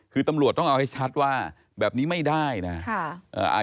คือตำรวจต้องเอาให้ชัดว่าแบบนี้ไม่ได้นะ